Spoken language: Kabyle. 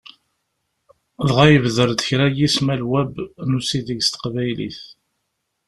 Dɣa ibder-d kra n yismal Web n usideg s Teqbaylit.